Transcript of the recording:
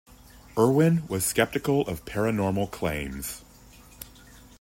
Irwin was skeptical of paranormal claims.